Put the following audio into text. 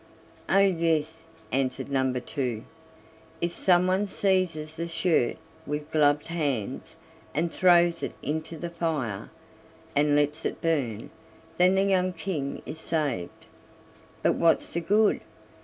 "Oh! yes," answered number two: "If someone seizes the shirt with gloved hands and throws it into the fire, and lets it burn, then the young King is saved. But what's the good?